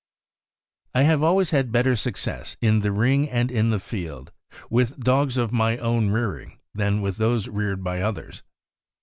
I have always had better success, in the ring and in the field, with dogs of my own rearing, than with those reared by others.